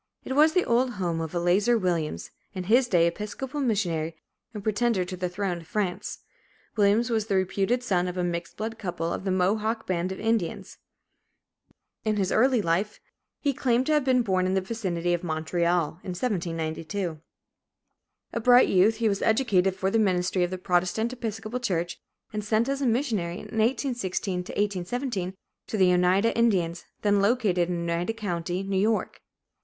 It was the old home of Eleazar Williams, in his day Episcopal missionary and pretender to the throne of France. Williams was the reputed son of a mixed blood couple of the Mohawk band of Indians; in early life, he claimed to have been born in the vicinity of Montreal, in 1792. A bright youth, he was educated for the ministry of the Protestant Episcopal church and sent as a missionary in 1816 1817 to the Oneida Indians, then located in Oneida county, New York.